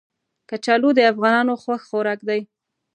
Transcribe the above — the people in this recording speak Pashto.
کچالو د افغانانو خوښ خوراک دی